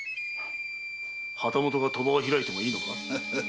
旗本が賭場を開いてもいいのか？